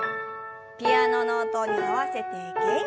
ピアノの音に合わせて元気よく。